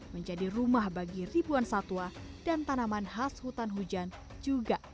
menjadi rumah bagi ribuan satwa dan tanaman khas hutan hujan juga